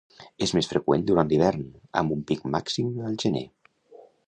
És més freqüent durant l’hivern, amb un pic màxim al gener.